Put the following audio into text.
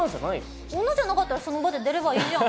女じゃなかったらその場で出ればいいじゃん。